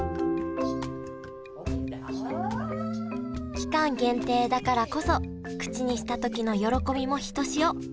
期間限定だからこそ口にした時の喜びもひとしお。